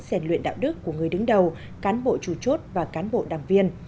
rèn luyện đạo đức của người đứng đầu cán bộ chủ chốt và cán bộ đảng viên